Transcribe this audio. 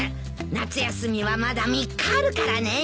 夏休みはまだ３日あるからね。